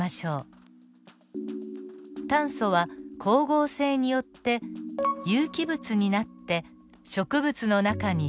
炭素は光合成によって有機物になって植物の中に取り込まれます。